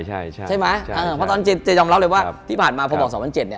ใช่ไหมพอตอนนั้นเจ๊ยอมรับเลยว่าที่ผ่านมาพอบอก๒๐๐๗เนี่ย